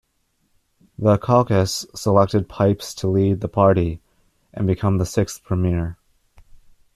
The caucus selected Pipes to lead the party and become the sixth Premier.